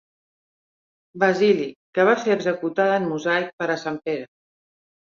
Basili, que va ser executada en mosaic per a Sant Pere.